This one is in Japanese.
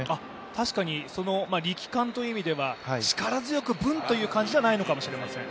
確かに力感という意味では、力強くブンという感じではないかもしれません。